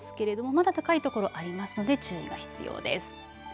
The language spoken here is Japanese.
まだ高いところありますので注意が必要です。